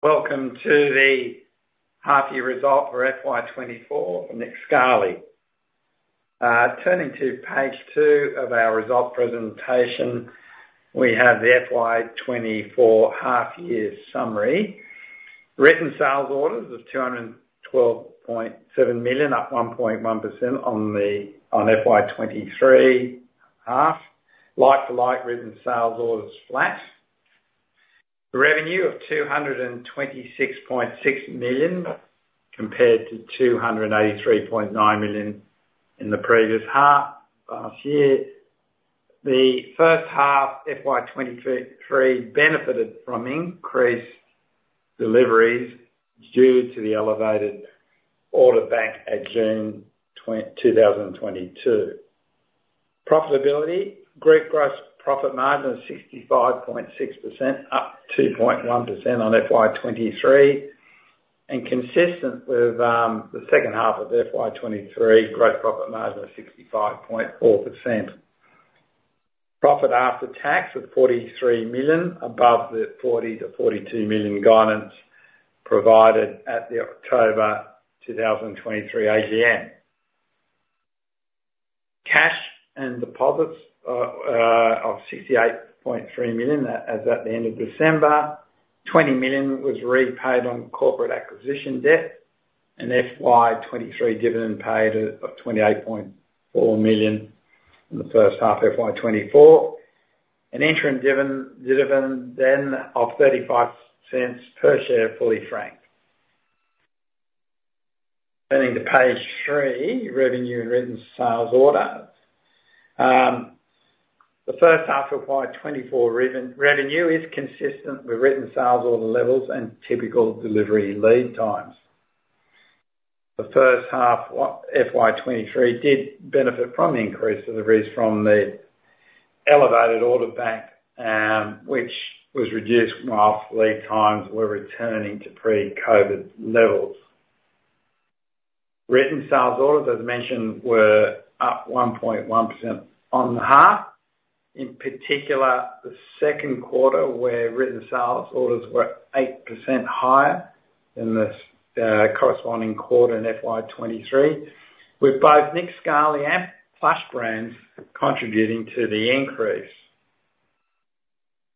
Welcome to the half year result for FY24, Nick Scali. Turning to page two of our result presentation, we have the FY24 half year summary. Written sales orders of 212.7 million, up 1.1% on FY23 half. Like-for-like, written sales orders flat. The revenue of AUD 226.6 million, compared to AUD 283.9 million in the previous half last year. The first half, FY 2023, benefited from increased deliveries due to the elevated order bank at June 2022. Profitability, group gross profit margin of 65.6%, up 2.1% on FY23, and consistent with the second half of FY23, gross profit margin of 65.4%. Profit after tax of 43 million, above the 40 million-42 million guidance provided at the October 2023 AGM. Cash and deposits of 68.3 million as at the end of December. 20 million was repaid on corporate acquisition debt, and FY23 dividend paid of 28.4 million in the first half FY24. An interim dividend then of 0.35 per share, fully franked. Turning to page three, revenue and written sales orders. The first half of FY24 written revenue is consistent with written sales order levels and typical delivery lead times. The first half, FY23, did benefit from increased deliveries from the elevated order bank, which was reduced while lead times were returning to pre-COVID levels. Written sales orders, as mentioned, were up 1.1% on the half, in particular, the Q2, where written sales orders were 8% higher than the corresponding quarter in FY23, with both Nick Scali and Plush contributing to the increase.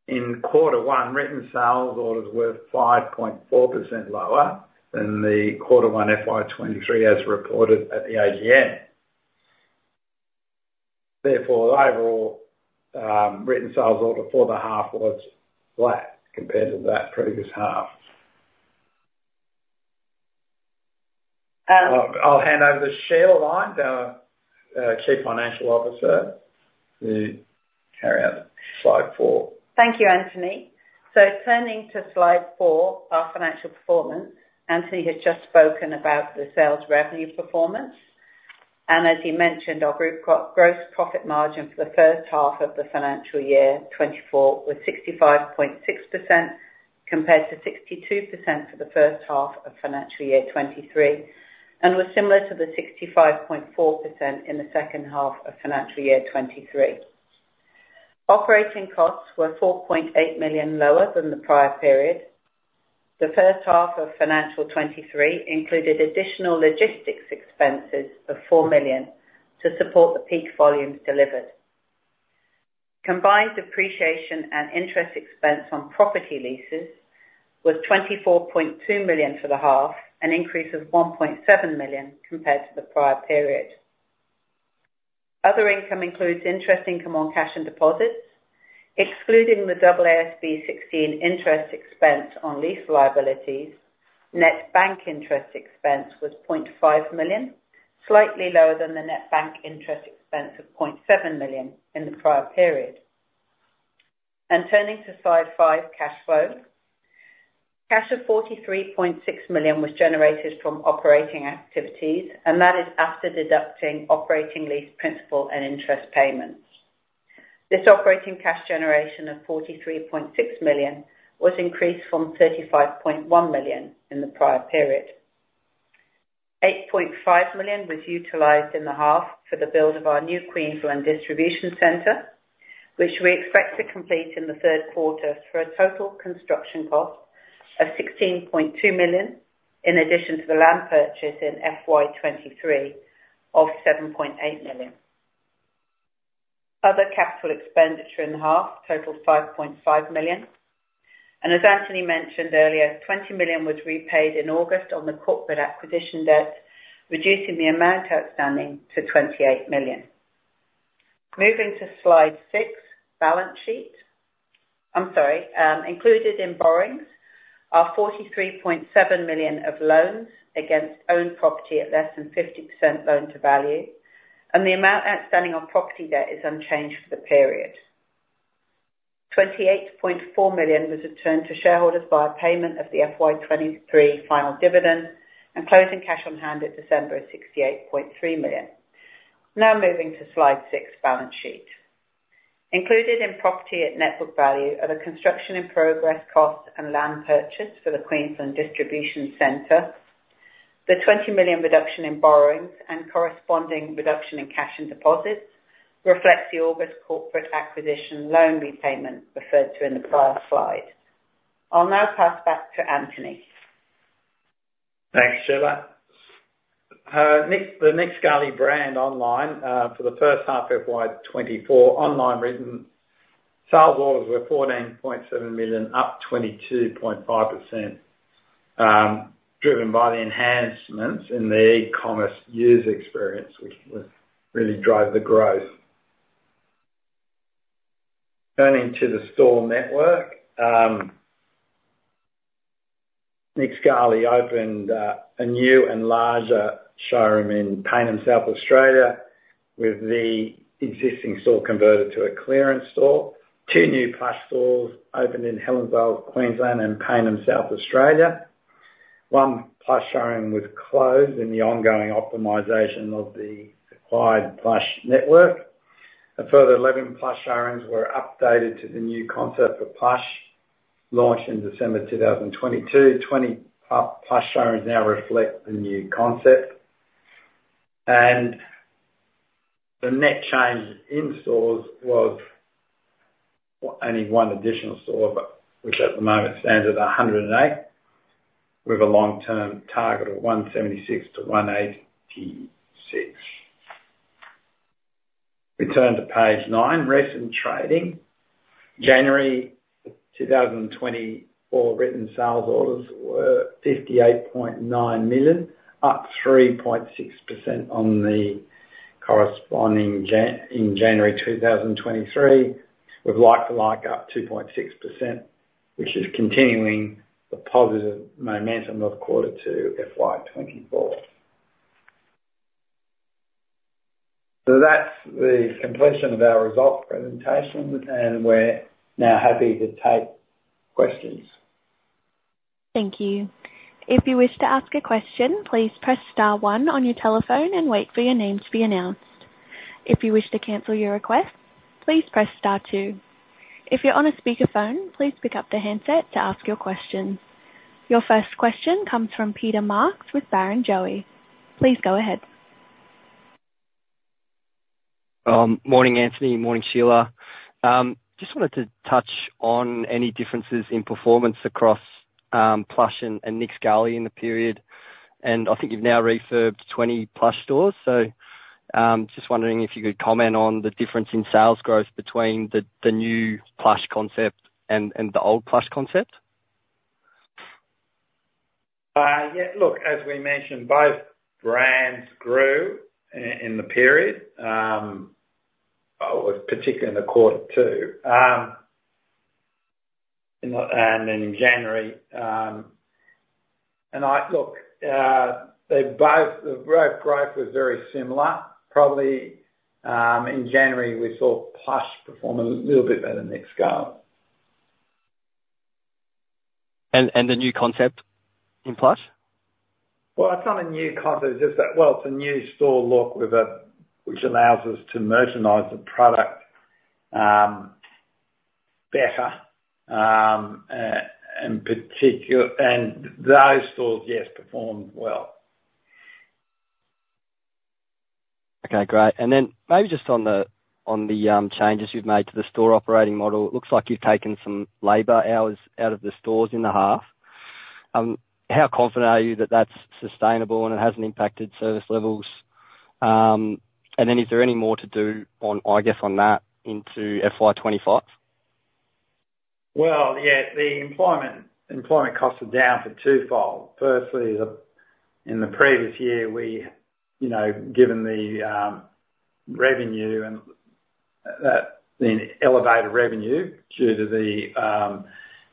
In quarter one, written sales orders were 5.4% lower than the quarter one FY23, as reported at the AGM. Therefore, the overall written sales order for the half was flat compared to that previous half. I'll hand over to Sheila Lines, our Chief Financial Officer, to carry out Slide 4. Thank you, Anthony. So turning to slide 4, our financial performance. Anthony has just spoken about the sales revenue performance, and as he mentioned, our group got gross profit margin for the first half of the financial year 2024, was 65.6%, compared to 62% for the first half of financial year 2023, and was similar to the 65.4% in the second half of financial year 2023. Operating costs were 4.8 million lower than the prior period. The first half of financial 2023 included additional logistics expenses of 4 million to support the peak volumes delivered. Combined depreciation and interest expense on property leases was 24.2 million for the half, an increase of 1.7 million compared to the prior period. Other income includes interest income on cash and deposits, excluding the AASB 16 interest expense on lease liabilities. Net bank interest expense was 0.5 million, slightly lower than the net bank interest expense of 0.7 million in the prior period. Turning to slide 5, cash flow. Cash of 43.6 million was generated from operating activities, and that is after deducting operating lease, principal and interest payments. This operating cash generation of 43.6 million was increased from 35.1 million in the prior period. 8.5 million was utilized in the half for the build of our new Queensland distribution center, which we expect to complete in the Q3, for a total construction cost of 16.2 million, in addition to the land purchase in FY 2023 of 7.8 million. Other capital expenditure in the half totaled 5.5 million, and as Anthony mentioned earlier, 20 million was repaid in August on the corporate acquisition debt, reducing the amount outstanding to 28 million. Moving to Slide 6, balance sheet. I'm sorry. Included in borrowings are 43.7 million of loans against owned property at less than 50% loan-to-value, and the amount outstanding on property debt is unchanged for the period. 28.4 million was returned to shareholders via payment of the FY 2023 final dividend, and closing cash on hand at December of 68.3 million. Now moving to Slide 6, balance sheet. Included in property at net book value are the construction in progress costs and land purchase for the Queensland Distribution Center-... The 20 million reduction in borrowings and corresponding reduction in cash and deposits reflects the August corporate acquisition loan repayment referred to in the prior slide. I'll now pass back to Anthony. Thanks, Sheila. Nick, the Nick Scali brand online, for the first half FY24, online written sales orders were 14.7 million, up 22.5%, driven by the enhancements in the e-commerce user experience, which was really drove the growth. Turning to the store network, Nick Scali opened a new and larger showroom in Payneham, South Australia, with the existing store converted to a clearance store. Two new Plush stores opened in Helensvale, Queensland, and Payneham, South Australia. One Plush showroom was closed in the ongoing optimization of the acquired Plush network. A further 11 Plush showrooms were updated to the new concept for Plush, launched in December 2022. 20 Plush showrooms now reflect the new concept, and the net change in stores was only 1 additional store, but which at the moment stands at 108, with a long-term target of 176-186. We turn to page 9, Recent Trading. January 2024, written sales orders were 58.9 million, up 3.6% on the corresponding January in January 2023, with like-for-like up 2.6%, which is continuing the positive momentum of quarter 2 FY24. So that's the completion of our result presentation, and we're now happy to take questions. Thank you. If you wish to ask a question, please press star one on your telephone and wait for your name to be announced. If you wish to cancel your request, please press star two. If you're on a speakerphone, please pick up the handset to ask your question. Your first question comes from Peter Marks with Barrenjoey. Please go ahead. Morning, Anthony. Morning, Sheila. Just wanted to touch on any differences in performance across Plush and Nick Scali in the period. I think you've now refurbed 20 Plush stores. So, just wondering if you could comment on the difference in sales growth between the new Plush concept and the old Plush concept. Yeah, look, as we mentioned, both brands grew in the period, particularly in quarter two, and in January, and I... Look, they both, the growth was very similar. Probably, in January, we saw Plush perform a little bit better than Nick Scali. And the new concept in Plush? Well, it's not a new concept, it's just that, well, it's a new store look with a, which allows us to merchandise the product better, and those stores, yes, performed well. Okay, great. And then maybe just on the changes you've made to the store operating model, it looks like you've taken some labor hours out of the stores in the half. How confident are you that that's sustainable and it hasn't impacted service levels? And then is there any more to do on, I guess, on that into FY25? Well, yeah, the employment costs are down for twofold. Firstly, in the previous year, we, you know, given the revenue and the elevated revenue due to the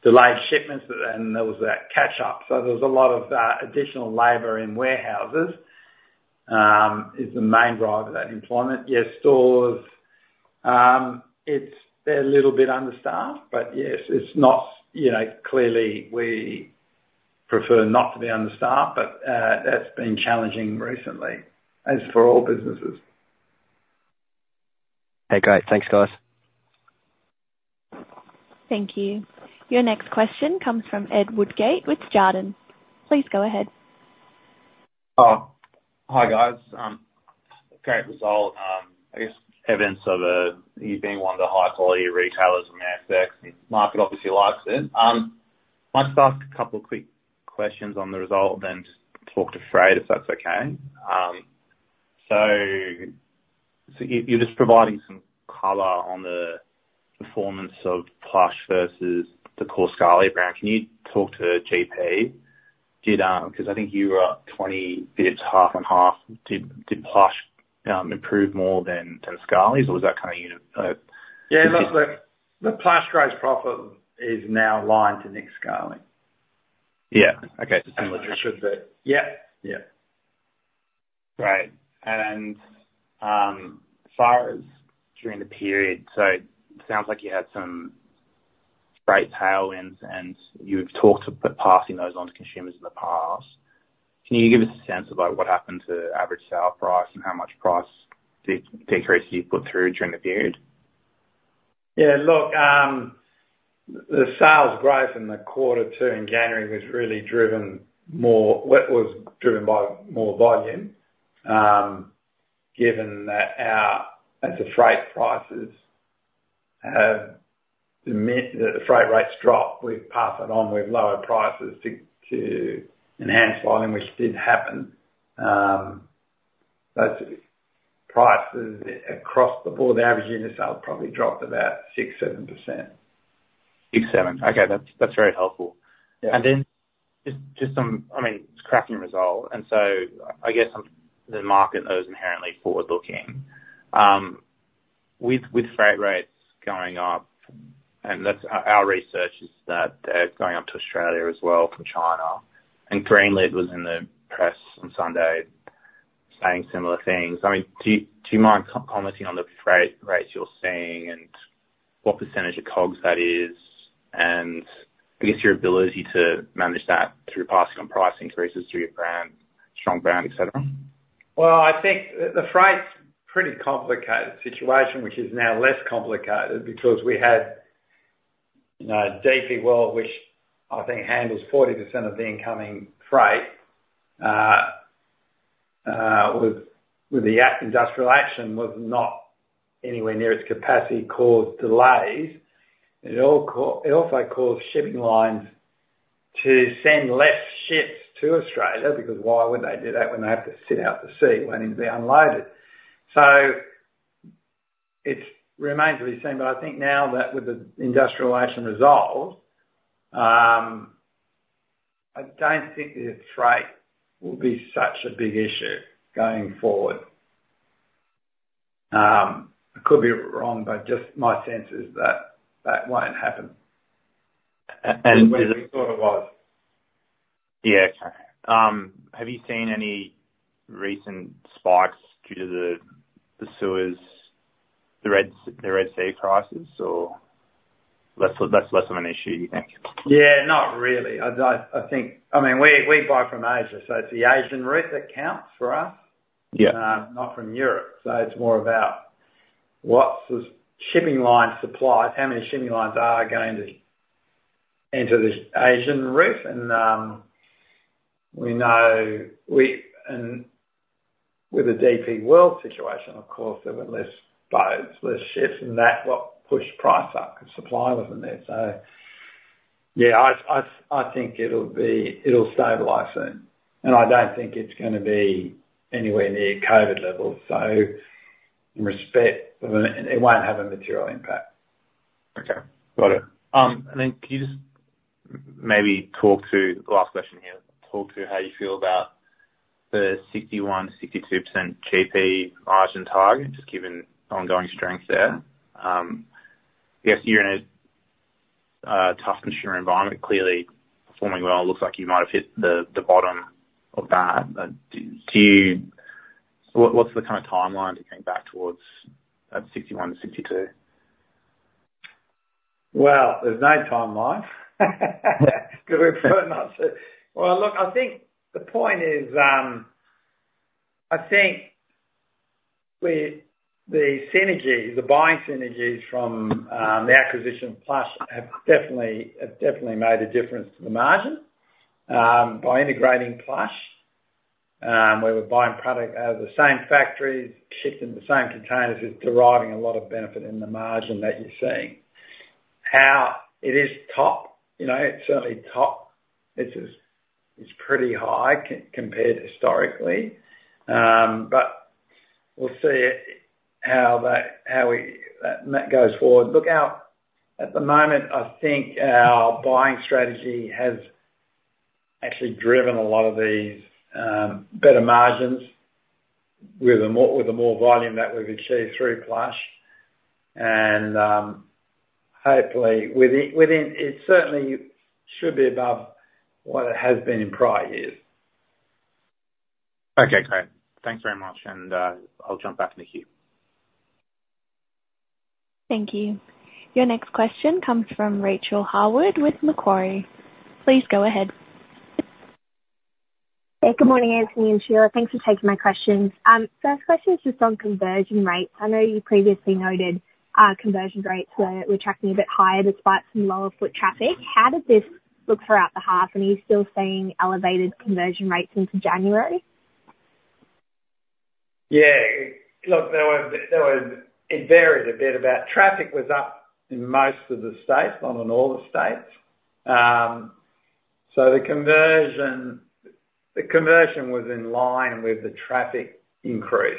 delayed shipments, and there was that catch-up, so there was a lot of additional labor in warehouses is the main driver of that employment. Yes, stores, it's-- they're a little bit understaffed, but yes, it's not, you know, clearly we prefer not to be understaffed, but that's been challenging recently, as for all businesses. Okay, great. Thanks, guys. Thank you. Your next question comes from Ed Woodgate with Jarden. Please go ahead. Oh, hi, guys. Great result. I guess evidence of you being one of the high-quality retailers on the ASX, the market obviously likes it. I'll just ask a couple of quick questions on the result, then talk to freight, if that's okay. So you're just providing some color on the performance of Plush versus the core Scali brand. Can you talk to GP? Did, 'cause I think you were up 20 basis points, half and half. Did Plush improve more than Scali's, or was that kind of, you know. Yeah, look, the Plush gross profit is now aligned to Nick Scali. Yeah. Okay. It should be. Yeah. Yeah. Great. And, as far as during the period, so it sounds like you had some great tailwinds, and you've talked about passing those on to consumers in the past. Can you give us a sense about what happened to average sale price and how much price decrease you put through during the period? Yeah, look, the sales growth in the quarter two in January was really driven more—well, it was driven by more volume, given that our, as the freight prices have meant that the freight rates drop, we pass it on with lower prices to, to enhance volume, which did happen. But prices across the board, the average unit sales probably dropped about 6%-7%. 6, 7. Okay, that's, that's very helpful. Yeah. And then just some. I mean, it's a cracking result, and so I guess The market is inherently forward-looking. With freight rates going up, and that's our research is that they're going up to Australia as well from China, and Greenlit was in the press on Sunday saying similar things. I mean, do you mind commenting on the freight rates you're seeing and what percentage of COGS that is, and I guess your ability to manage that through passing on price increases through your brand, strong brand, et cetera? Well, I think the freight's a pretty complicated situation, which is now less complicated because we had, you know, DP World, which I think handles 40% of the incoming freight, with the port industrial action, was not anywhere near its capacity, caused delays. It also caused shipping lines to send less ships to Australia, because why would they do that when they have to sit out to sea waiting to be unloaded? So it remains to be seen, but I think now that with the industrial action resolved, I don't think the freight will be such a big issue going forward. I could be wrong, but just my sense is that that won't happen. We thought it was. Yeah. Okay. Have you seen any recent spikes due to the Suez, the Red Sea prices, or less? That's less of an issue, you think? Yeah, not really. I think, I mean, we buy from Asia, so it's the Asian route that counts for us. Yeah. Not from Europe. So it's more about what the shipping line supply, how many shipping lines are going to enter this Asian route? And we know we... and with the DP World situation, of course, there were less boats, less ships, and that what pushed price up, because supply wasn't there. So yeah, I think it'll be, it'll stabilize soon, and I don't think it's going to be anywhere near COVID levels, so in respect, it won't have a material impact. Okay, got it. And then can you just maybe talk to—last question here. Talk to how you feel about the 61%-62% GP margin target, just given ongoing strength there. Yes, you're in a tough consumer environment, clearly performing well. It looks like you might have hit the bottom of that. But do you... What's the kind of timeline to getting back towards that 61-62? Well, there's no timeline. Good enough. Well, look, I think the point is, I think with the synergies, the buying synergies from the acquisition Plush have definitely, have definitely made a difference to the margin. By integrating Plush, where we're buying product out of the same factories, shipping the same containers, is deriving a lot of benefit in the margin that you're seeing. How it is top, you know, it's certainly top. It's, it's pretty high compared historically, but we'll see how that goes forward. Look, at the moment, I think our buying strategy has actually driven a lot of these better margins with the more, with the more volume that we've achieved through Plush, and, hopefully within, it certainly should be above what it has been in prior years. Okay, great. Thanks very much, and, I'll jump back in the queue. Thank you. Your next question comes from Rachel Harwood with Macquarie. Please go ahead. Hey, good morning, Anthony and Sheila. Thanks for taking my questions. First question is just on conversion rates. I know you previously noted, conversion rates were tracking a bit higher despite some lower foot traffic. How did this look throughout the half, and are you still seeing elevated conversion rates into January? Yeah. Look, there was. It varied a bit about traffic was up in most of the states, not in all the states. So the conversion was in line with the traffic increase.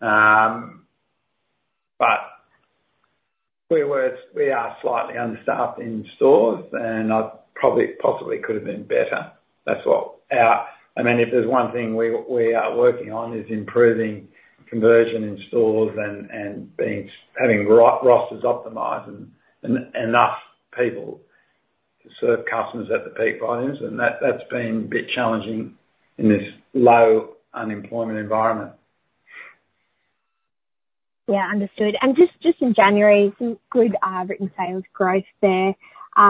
But we were, we are slightly understaffed in stores, and I've probably possibly could have been better. That's what our—I mean, if there's one thing we are working on is improving conversion in stores and being, having rosters optimized and enough people to serve customers at the peak volumes, and that's been a bit challenging in this low unemployment environment. Yeah, understood. And just in January, some good written sales growth there.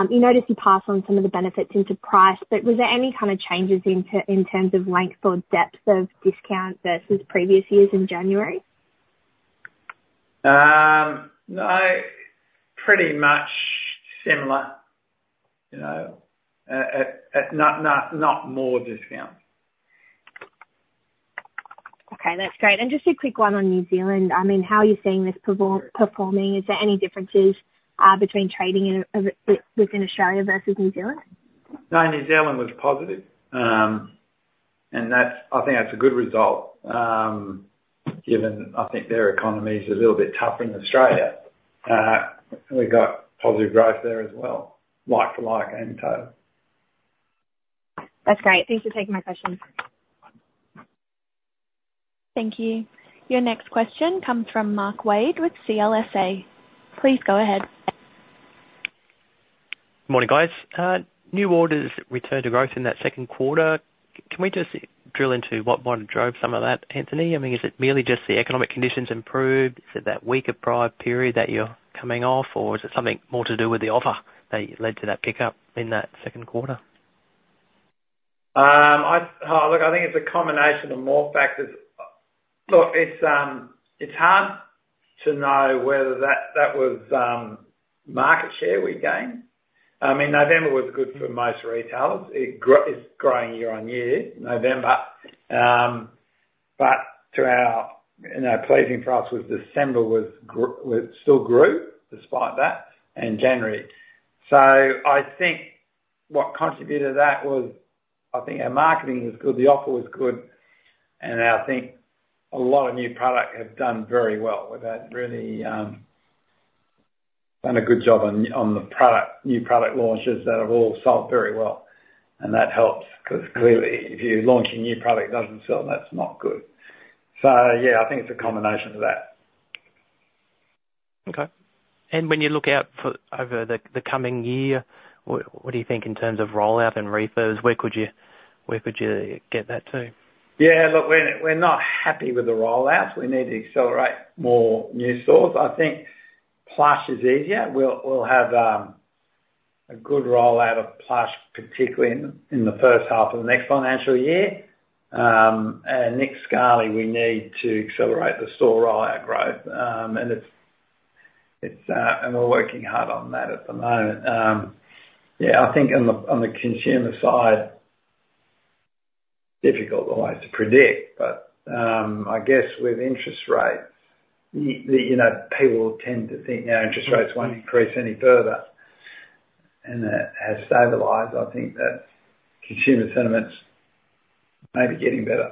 You noticed you pass on some of the benefits into price, but was there any kind of changes in terms of length or depth of discount versus previous years in January? No, pretty much similar, you know, at not more discount. Okay, that's great. And just a quick one on New Zealand. I mean, how are you seeing this performing? Is there any differences between trading within Australia versus New Zealand? No, New Zealand was positive. I think that's a good result, given I think their economy is a little bit tougher than Australia. We've got positive growth there as well, like-for-like and total. That's great. Thanks for taking my questions. Thank you. Your next question comes from Mark Wade with CLSA. Please go ahead. Morning, guys. New orders returned to growth in that Q2. Can we just drill into what, what drove some of that, Anthony? I mean, is it merely just the economic conditions improved? Is it that weaker prior period that you're coming off, or is it something more to do with the offer that led to that pickup in that Q2? Oh, look, I think it's a combination of more factors. Look, it's, it's hard to know whether that, that was market share we gained. I mean, November was good for most retailers. It's growing year on year, November. But to our... You know, pleasing for us was December was still grew despite that, and January. So I think what contributed to that was, I think our marketing was good, the offer was good, and I think a lot of new product has done very well. We've done really, done a good job on, on the product, new product launches that have all sold very well. And that helps because clearly if you launch a new product, doesn't sell, that's not good. So yeah, I think it's a combination of that. Okay. And when you look out for over the coming year, what do you think in terms of rollout and refurbs? Where could you get that to? Yeah, look, we're not happy with the rollouts. We need to accelerate more new stores. I think Plush is easier. We'll have a good rollout of Plush, particularly in the first half of the next financial year. And Nick Scali, we need to accelerate the store rollout growth. And it's, and we're working hard on that at the moment. Yeah, I think on the consumer side, difficult always to predict, but I guess with interest rates, the, you know, people tend to think, yeah, interest rates won't increase any further, and that has stabilized. I think that consumer sentiments may be getting better.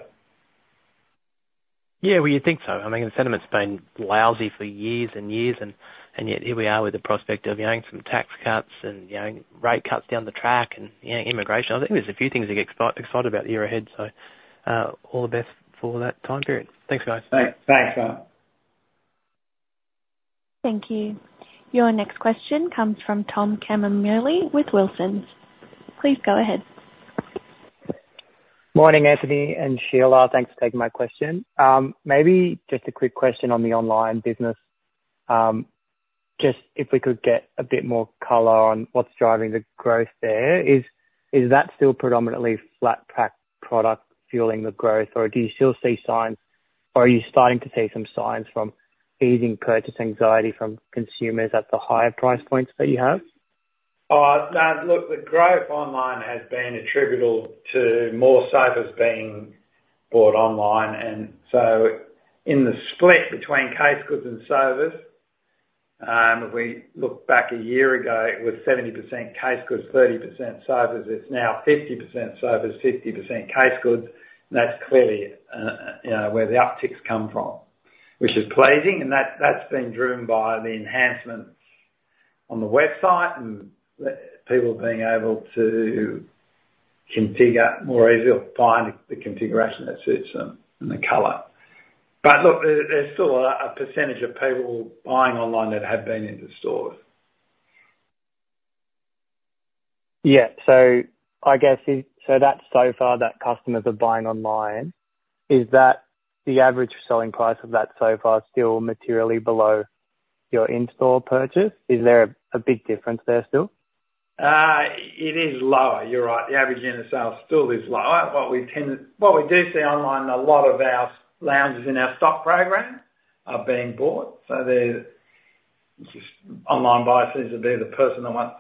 Yeah, well, you think so. I mean, the sentiment's been lousy for years and years, and yet here we are with the prospect of getting some tax cuts and, you know, rate cuts down the track and, you know, immigration. I think there's a few things to get excited about the year ahead, so, all the best for that time period. Thanks, guys. Thanks. Thanks, Mark. Thank you. Your next question comes from Tom Bignell with Wilsons. Please go ahead. Morning, Anthony and Sheila. Thanks for taking my question. Maybe just a quick question on the online business. Just if we could get a bit more color on what's driving the growth there. Is that still predominantly flat pack product fueling the growth, or do you still see signs, or are you starting to see some signs from easing purchase anxiety from consumers at the higher price points that you have? Oh, no. Look, the growth online has been attributable to more sofas being bought online, and so in the split between case goods and sofas, if we look back a year ago, it was 70% case goods, 30% sofas. It's now 50% sofas, 50% case goods. That's clearly, you know, where the upticks come from, which is pleasing, and that, that's been driven by the enhancements on the website and the people being able to configure more easily or find the configuration that suits them and the color. But look, there, there's still a, a percentage of people buying online that have been in the stores. Yeah. So that's so far that customers are buying online. Is that the average selling price of that so far still materially below your in-store purchase? Is there a big difference there still? It is lower. You're right. The average unit sale still is lower. What we do see online, a lot of our lounges in our stock program are being bought, so the online buyer seems to be the person that wants,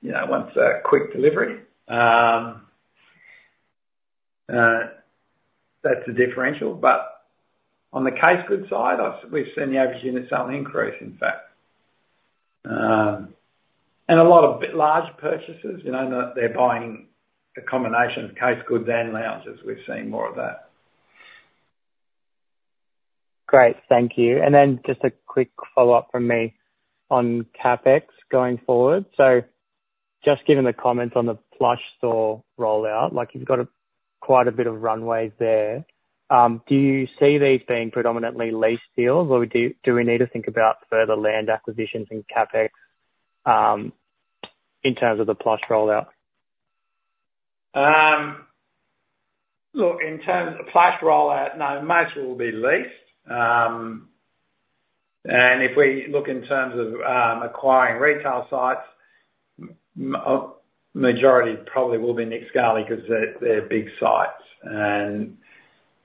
you know, wants a quick delivery. That's the differential. But on the case goods side, we've seen the average unit sale increase, in fact. And a lot bigger purchases, you know, they're buying a combination of case goods and lounges. We've seen more of that. Great. Thank you. And then just a quick follow-up from me on CapEx going forward. So just given the comments on the Plush store rollout, like, you've got quite a bit of runway there. Do you see these being predominantly leased deals, or do we need to think about further land acquisitions and CapEx in terms of the Plush rollout? Look, in terms of Plush rollout, no, most will be leased. And if we look in terms of acquiring retail sites, majority probably will be Nick Scali, because they're big sites. And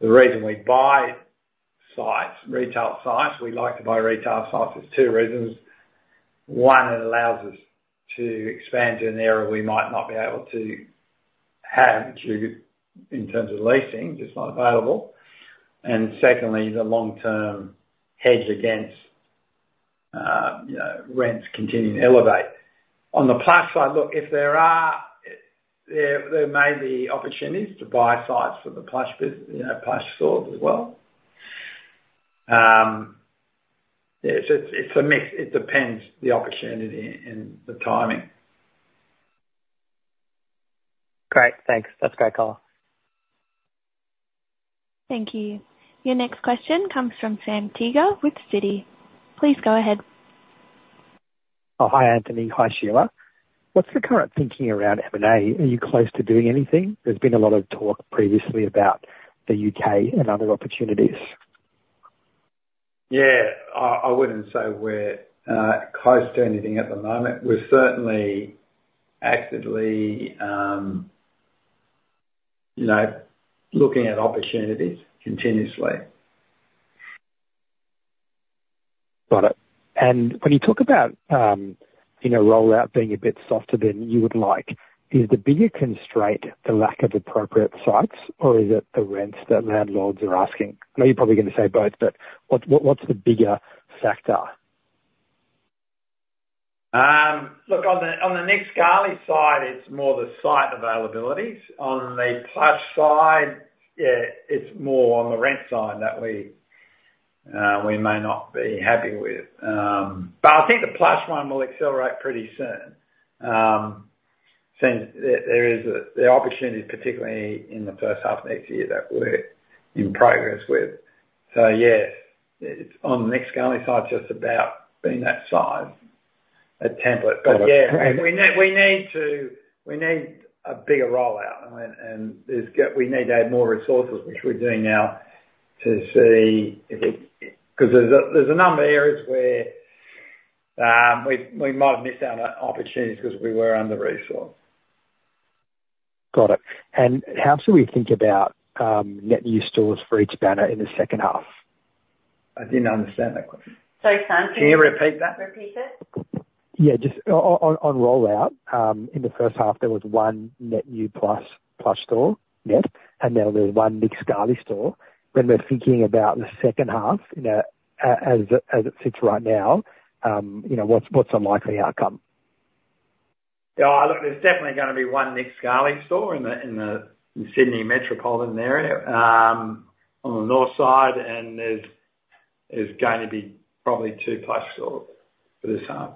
the reason we buy sites, retail sites, we like to buy retail sites, is two reasons. One, it allows us to expand in an area we might not be able to have due to, in terms of leasing, just not available. And secondly, the long-term hedge against, you know, rents continuing to elevate. On the Plush side, look, if there are opportunities to buy sites for the Plush business, you know, Plush stores as well. Yeah, it's a mix. It depends the opportunity and the timing. Great. Thanks. That's a great call. Thank you. Your next question comes from Sam Teeger with Citi. Please go ahead. Oh, hi, Anthony. Hi, Sheila. What's the current thinking around M&A? Are you close to doing anything? There's been a lot of talk previously about the UK and other opportunities. Yeah, I wouldn't say we're close to anything at the moment. We're certainly actively, you know, looking at opportunities continuously. Got it. When you talk about, you know, rollout being a bit softer than you would like, is the bigger constraint the lack of appropriate sites, or is it the rents that landlords are asking? I know you're probably going to say both, but what's the bigger factor? Look, on the Nick Scali side, it's more the site availabilities. On the Plush side, yeah, it's more on the rent side that we may not be happy with. But I think the Plush one will accelerate pretty soon, since there are opportunities, particularly in the first half of next year, that we're in progress with. So yeah, it's on the Nick Scali side, just about being that size, a template. Got it. But yeah, we need a bigger rollout, and we need to add more resources, which we're doing now, to see if it... 'Cause there's a number of areas where we might have missed out on opportunities because we were under-resourced. Got it. And how do we think about net new stores for each banner in the second half? I didn't understand that question. So, Sam, can you- Can you repeat that? Repeat it? Yeah, just on rollout, in the first half, there was one net new Plush store net, and then there's one Nick Scali store. When we're thinking about the second half, you know, as it sits right now, you know, what's a likely outcome? Yeah, look, there's definitely going to be one Nick Scali store in the Sydney metropolitan area on the north side, and there's going to be probably two Plush stores for this half.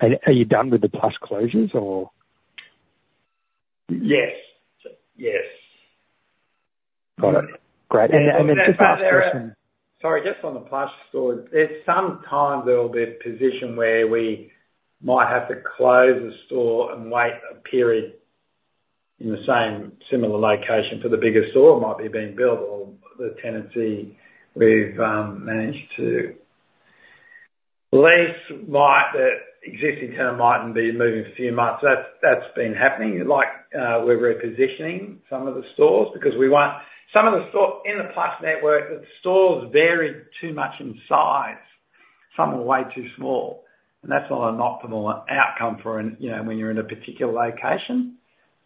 Are you done with the Plush closures or? Yes. Yes. Got it. Great. And just last question. Sorry, just on the Plush stores, at some time there will be a position where we might have to close a store and wait a period in the same similar location for the bigger store. It might be being built or the tenancy we've managed to lease might, existing tenant mightn't be moving for a few months. So that's, that's been happening, like, we're repositioning some of the stores because we want some of the stores in the Plush network, the stores vary too much in size. Some are way too small, and that's not an optimal outcome for an, you know, when you're in a particular location,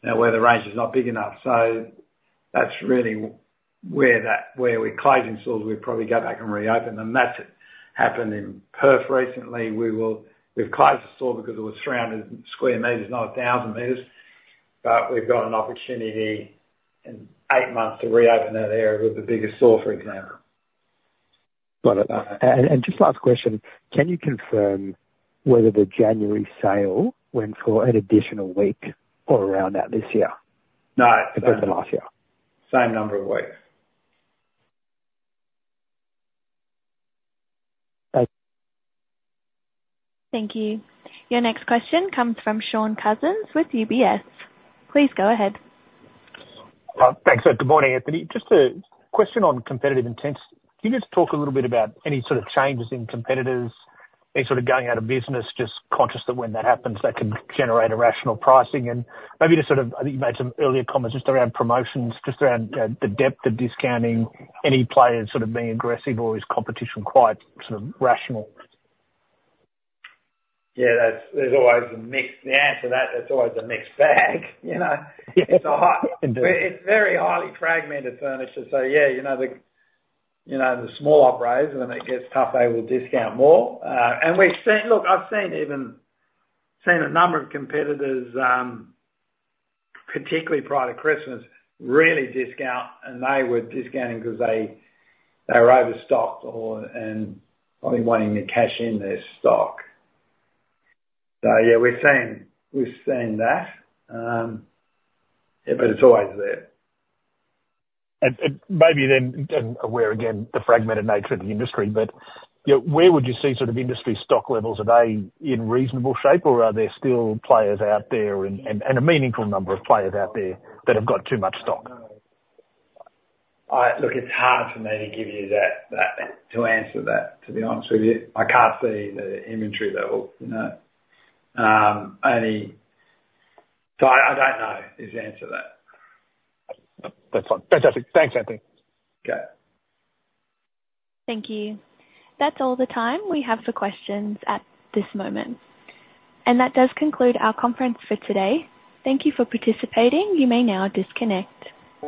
you know, where the range is not big enough. So that's really where that, where we're closing stores, we'd probably go back and reopen them. That's happened in Perth recently. We've closed the store because it was 300 square meters, not 1,000 meters, but we've got an opportunity in 8 months to reopen that area with the bigger store, for example. Got it. And just last question, can you confirm whether the January sale went for an additional week or around that this year? No. Compared to last year. Same number of weeks. Thanks. Thank you. Your next question comes from Shaun Cousins with UBS. Please go ahead. Thanks. Good morning, Anthony. Just a question on competitive intensity. Can you just talk a little bit about any sort of changes in competitors, any sort of going out of business, just conscious that when that happens, that can generate irrational pricing? And maybe just sort of, I think you made some earlier comments just around promotions, just around, the depth of discounting, any players sort of being aggressive or is competition quite sort of rational? Yeah, there's always a mix. The answer to that, that's always a mixed bag, you know? Yeah. It's very highly fragmented furniture. So, yeah, you know, the small operators, when it gets tough, they will discount more. And we've seen—look, I've seen even a number of competitors, particularly prior to Christmas, really discount, and they were discounting because they were overstocked or and probably wanting to cash in their stock. So yeah, we've seen that. Yeah, but it's always there. And maybe then, aware again of the fragmented nature of the industry, but you know, where would you see sort of industry stock levels? Are they in reasonable shape, or are there still players out there and a meaningful number of players out there that have got too much stock? Look, it's hard for me to give you that, to answer that, to be honest with you. I can't see the inventory levels, you know, only... So, I don't know is the answer to that. That's fine. Fantastic. Thanks, Anthony. Okay. Thank you. That's all the time we have for questions at this moment, and that does conclude our conference for today. Thank you for participating. You may now disconnect.